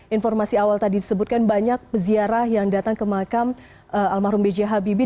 informasi awal tadi disebutkan banyak peziara yang datang ke makam almarhum bj habibie